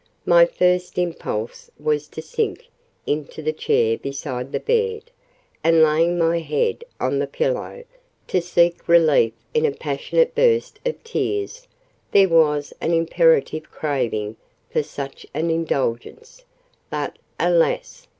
My first impulse was to sink into the chair beside the bed; and laying my head on the pillow, to seek relief in a passionate burst of tears: there was an imperative craving for such an indulgence; but, alas!